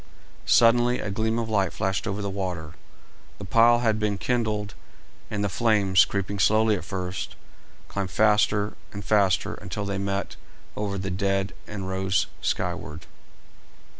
Suddenly a gleam of light flashed over the water; the pile had been kindled, and the flames, creeping slowly at first, climbed faster and faster until they met over the dead and rose skyward.